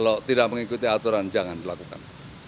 kalau tidak mengikuti aturan jangan dilakukan